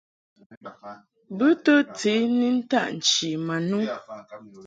Bɨ to tiʼ ni ntaʼ nchi ma no.